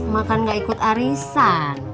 mak kan gak ikut arisan